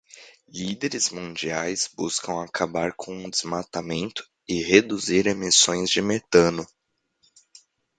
Líderes mundiais buscam acabar com desmatamento e reduzir emissões de metano